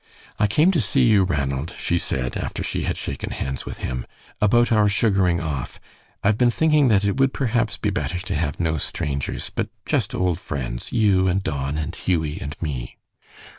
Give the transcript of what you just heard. "I came to see you, Ranald," she said, after she had shaken hands with him, "about our sugaring off. I've been thinking that it would perhaps be better to have no strangers, but just old friends, you and Don and Hughie and me."